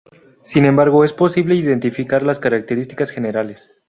Sin embargo, es posible identificar las características generales.